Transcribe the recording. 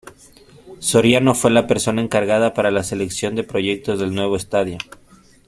Soriano fue la persona encargada para la selección de proyectos del nuevo estadio.